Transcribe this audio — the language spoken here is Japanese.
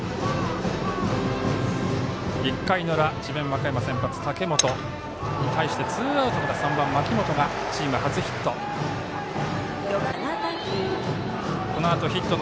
１回の裏、智弁和歌山先発の武元に対してツーアウトから３番、槇本がチーム初ヒット。